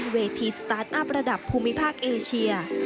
เวทีสตาร์ทอัพระดับภูมิภาคเอเชีย